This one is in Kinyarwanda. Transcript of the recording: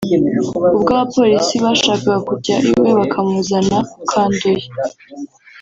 ubwo abapolisi bashakaga kujya iwe bakamuzana ku kandoye